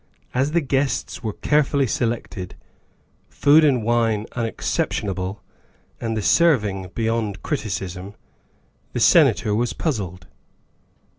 As the guests were carefully selected, food and wine unexceptionable, and the serving beyond criticism, the Senator was puzzled.